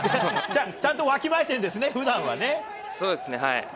ちゃんとわきまえてるんですそうですね。